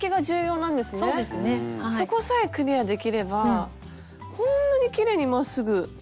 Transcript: そこさえクリアできればこんなにきれいにまっすぐ。